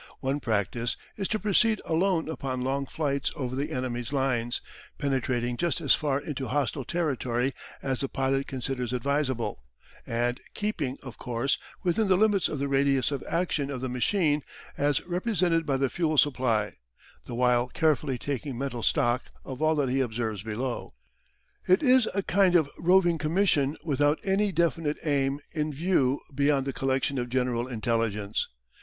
One practice is to proceed alone upon long flights over the enemy's lines, penetrating just as far into hostile territory as the pilot considers advisable, and keeping, of course, within the limits of the radius of action of the machine, as represented by the fuel supply, the while carefully taking mental stock of all that he observes below. It is a kind of roving commission without any definite aim in view beyond the collection of general intelligence.